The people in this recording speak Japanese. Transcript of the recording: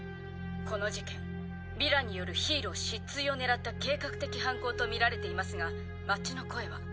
この事件ヴィランによるヒーロー失墜を狙った計画的犯行とみられていますが街の声は。